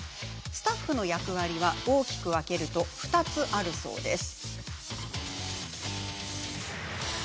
スタッフの役割は大きく分けると２つあるそうです。